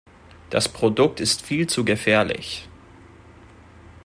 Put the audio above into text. Das Produkt ist viel zu gefährlich.